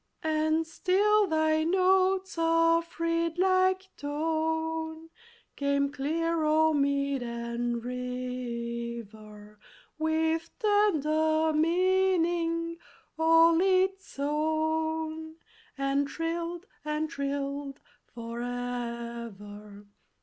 And still thy notes of reed like tone Came clear o'er mead and river, With tender meaning all its own, And trilled and trilled forever!